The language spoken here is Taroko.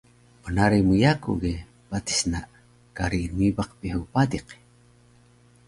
Bnaruy mu yaku ge patis na kari rmibaq Pihu Padiq